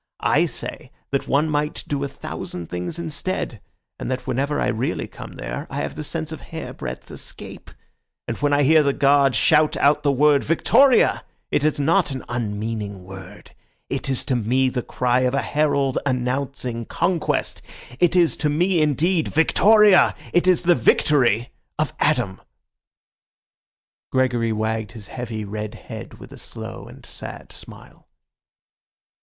I say that one might do a thousand things instead, and that whenever I really come there I have the sense of hairbreadth escape. And when I hear the guard shout out the word 'Victoria,' it is not an unmeaning word. It is to me the cry of a herald announcing conquest. It is to me indeed 'Victoria'; it is the victory of Adam." Gregory wagged his heavy, red head with a slow and sad smile.